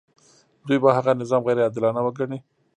دوی به هغه نظام غیر عادلانه وګڼي.